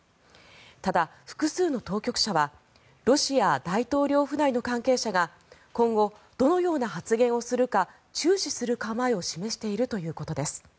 ただ、複数の当局者はロシア大統領府内の関係者が今後どのような発言をするか注視する構えを示しているということです。